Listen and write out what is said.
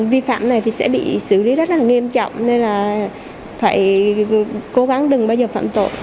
vi phạm này thì sẽ bị xử lý rất là nghiêm trọng nên là phải cố gắng đừng bao giờ phạm tội